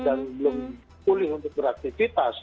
dan belum pulih untuk beraktifitas